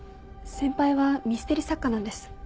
先輩はミステリ作家なんです。